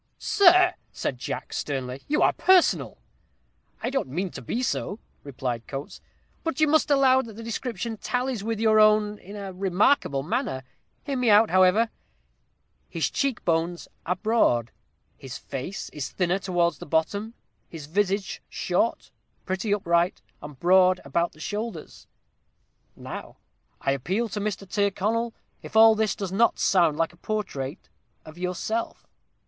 "Sir!" said Jack, sternly. "You are personal." "I don't mean to be so," replied Coates; "but you must allow the description tallies with your own in a remarkable manner. Hear me out, however '_his cheek bones are broad his face is thinner towards the bottom his visage short pretty upright and broad about the shoulders_.' Now I appeal to Mr. Tyrconnel if all this does not sound like a portrait of yourself."